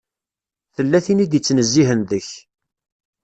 Tella tin i d-ittnezzihen deg-k.